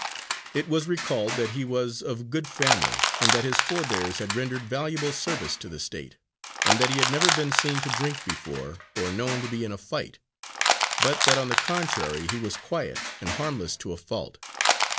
It was recalled that he was of good family and that his forebears had rendered valuable service to the State, and that he had never been seen to drink before, or known to be in a fight, but that on the contrary he was quiet and harmless to a fault.